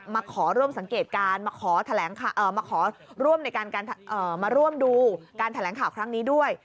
มาขอร่วมสังเกตการณ์มาขอร่วมดูการแถลงข่าวครั้งนี้ด้วย